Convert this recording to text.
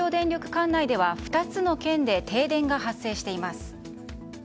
管内では２つの県で停電が発生しています。